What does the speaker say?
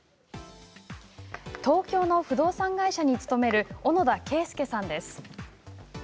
東京の不動産会社に勤める小野田敬介さんです。